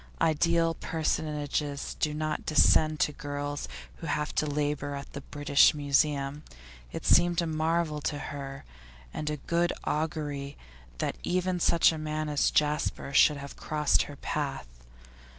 Ideal personages do not descend to girls who have to labour at the British Museum; it seemed a marvel to her, and of good augury, that even such a man as Jasper should have crossed her path.